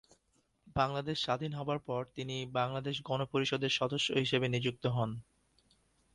বাংলাদেশ স্বাধীন হবার পর তিনি বাংলাদেশ গণপরিষদের সদস্য হিসেবে নিযুক্ত হন।